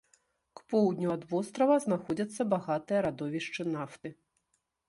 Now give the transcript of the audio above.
К поўдню ад вострава знаходзяцца багатыя радовішчы нафты.